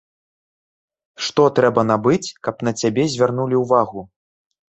Што трэба набыць, каб на цябе звярнулі ўвагу?